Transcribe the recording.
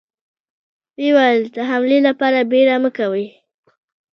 ويې ويل: د حملې له پاره بيړه مه کوئ!